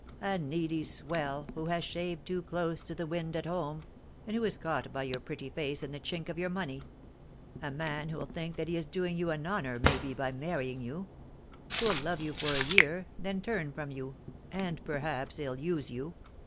A needy swell, who has shaved too close to the wind at home, and who is caught by your pretty face and the chink of your money. A man who'll think that he is doing you an honour maybe by marrying you; who'll love you for a year, then turn from you, and perhaps ill use you.